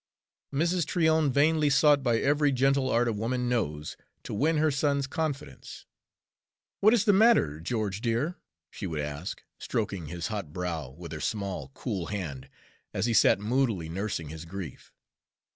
Mrs. Tryon vainly sought by every gentle art a woman knows to win her son's confidence. "What is the matter, George, dear?" she would ask, stroking his hot brow with her small, cool hand as he sat moodily nursing his grief.